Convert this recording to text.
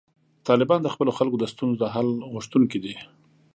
طالبان د خپلو خلکو د ستونزو د حل غوښتونکي دي.